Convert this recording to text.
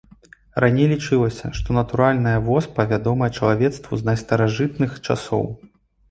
Раней лічылася, што натуральная воспа вядомая чалавецтву з найстаражытных часоў.